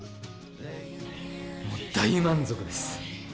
もう大満足です。